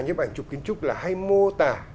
nhấp ảnh chụp kiến trúc là hay mô tả